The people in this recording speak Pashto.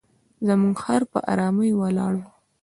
زموږ خر په آرامۍ ولاړ وي.